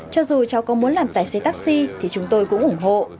cho dù cháu có muốn làm tài xế taxi thì chúng tôi cũng ủng hộ